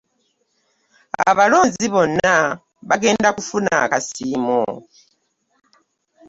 Abalonzi bwonna bagenda kufuna akasiimo.